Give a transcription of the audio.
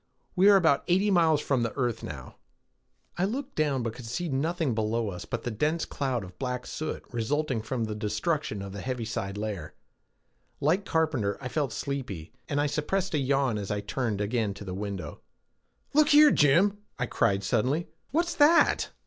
We are about eighty miles from the earth now." I looked down, but could see nothing below us but the dense cloud of black soot resulting from the destruction of the heaviside layer. Like Carpenter, I felt sleepy, and I suppressed a yawn as I turned again to the window. "Look here, Jim!" I cried suddenly. "What's that?"